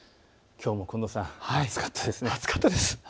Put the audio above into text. きょうも近藤さん、暑かったですね。